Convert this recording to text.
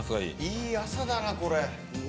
いい朝だなこれ。